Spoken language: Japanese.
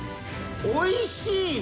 おいしいの？